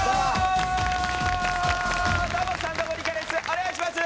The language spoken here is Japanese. お願いします！